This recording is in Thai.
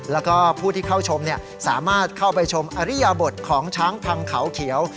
แล้วก็ผู้ที่เข้าชมสามารถเข้าไปชมอริยบทของช้างพังเขาเขียว